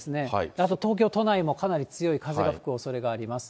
あと、東京都内もかなり強い風が吹くおそれがあります。